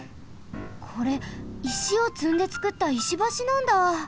これ石をつんでつくった石橋なんだ！